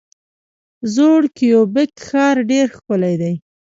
زوړ کیوبیک ښار ډیر ښکلی دی.